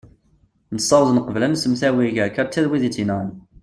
nessaweḍ neqbel ad nsemtawi gar katia d wid i tt-yenɣan